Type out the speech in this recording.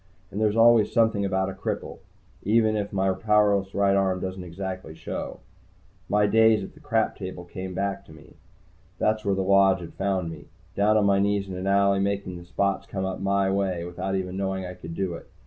And there's always something about a cripple, even if my powerless right arm doesn't exactly show. My days on the Crap Patrol came back to me. That's where the Lodge had found me, down on my knees in an alley, making the spots come up my way without even knowing I could do it.